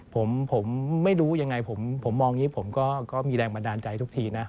ผมไม่รู้ยังไงผมมองอย่างนี้ผมก็มีแรงบันดาลใจทุกทีนะ